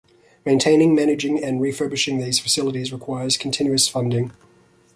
Maintaining, managing and refurbishing these facilities requires continuous funding.